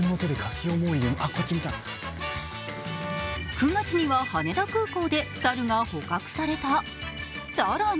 ９月には羽田空港で猿が捕獲された、更に